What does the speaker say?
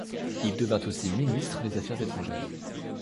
Il devint aussi ministre des Affaires étrangères.